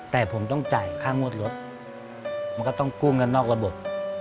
แต่ผมต้องจ่ายค่างวดรถมันก็ต้องกู้เงินนอกระบบ